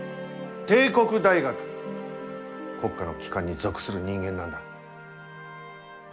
帝国大学国家の機関に属する人間なんだ。